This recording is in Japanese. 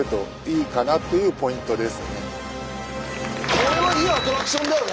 これはいいアトラクションだよね。